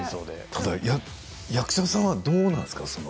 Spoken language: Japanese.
ただ役者さんはどうなんですか。